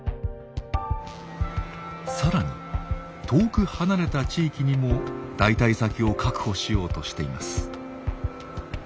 更に遠く離れた地域にも代替先を確保しようとしています。